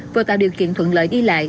vừa tạo điều kiện thuận lợi đi lại